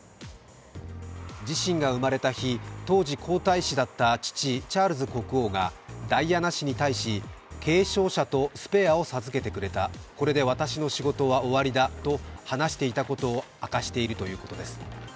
自身が生まれた日、当時皇太子だった父・チャールズ国王がダイアナ妃に対し継承者とスペアを授けてくれた、これで私の仕事は終わりだと話していたことを明かしているということです。